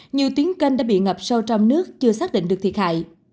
nhiều tuyến kênh đã bị ngập sâu trong nước chưa xác định được thiệt hại